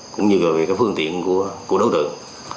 cũng như về cái phương tiện của đối tượng